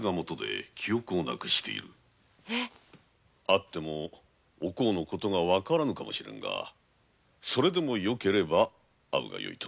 会ってもおこうの事がわからぬかもしれぬがそれでもよければ会うがよいとな。